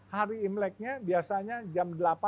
hari imleknya biasanya jam delapan